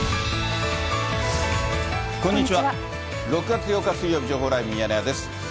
６月８日水曜日、情報ライブミヤネ屋です。